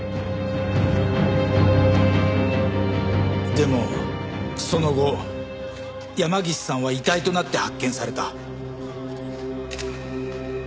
でもその後山岸さんは遺体となって発見された。